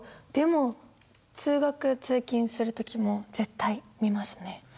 でも通学・通勤する時も絶対見ますね。